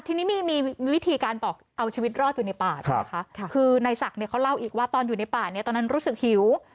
ที่นี่มีวิธีการเอาชีวิตรอดอยู่ในปากนะคะคือในศักดิ์เขาเล่าอีกว่าตอนอยู่ในปากตอนนั้นรู้สึกหิว